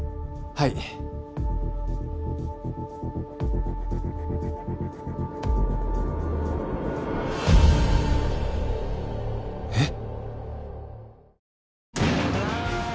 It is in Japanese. はいえっ？